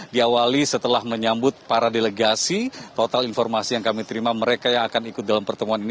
diawali setelah menyambut para delegasi total informasi yang kami terima mereka yang akan ikut dalam pertemuan ini